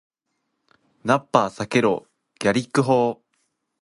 ナッパ避けろー！ギャリック砲ー！